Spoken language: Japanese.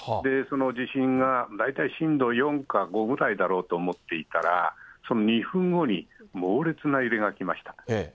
その地震が大体震度４か５ぐらいだろうと思っていたら、その２分後に、猛烈な揺れがきました。